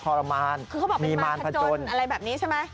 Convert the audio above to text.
คือเขาบอกเป็นความผัจจนมีมานพัจจนอะไรแบบนี้ใช่ไหม